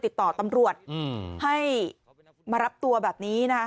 ติดต่อตำรวจให้มารับตัวแบบนี้นะคะ